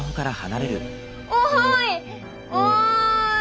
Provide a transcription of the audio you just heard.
おい！